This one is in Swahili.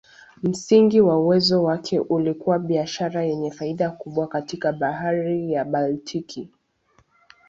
Msingi wa uwezo wake ulikuwa biashara yenye faida kubwa katika Bahari ya Baltiki.